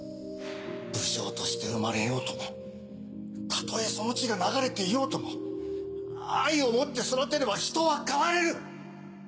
武将として生まれようともたとえその血が流れていようとも愛を持って育てれば人は変われる！